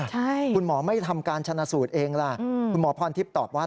ใช่คุณหมอไม่ทำการชนะสูตรเองล่ะคุณหมอพรทิพย์ตอบว่า